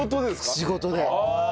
仕事で。